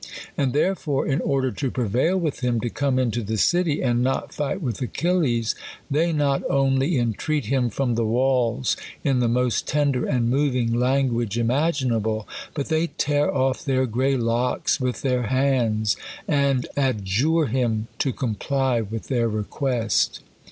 And therefore, in order to prevail with him to come into the city iS THE COLUMBIAN ORATOR. city and not fight with Achilles, they not only entreat him from the walls in the most tender and moving lan guage imaginable ; but they tear off their grey looks with their hands, and adjure him to comply with their request.